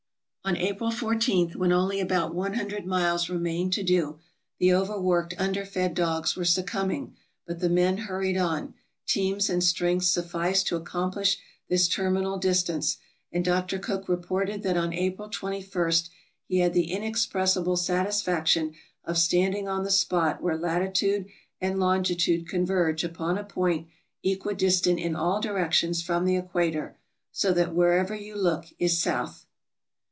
On April 14, when only about 100 miles remained to do, the overworked, underfed dogs were succumbing, but the men hurried on, teams and strength sufficed to accomplish this terminal distance, and Dr. Cook reported that on April 21 he had the inexpressible satisfaction of standing on the spot where latitude and longitude converge upon a point equidistant in all directions from the equator, so that wherever you look is south.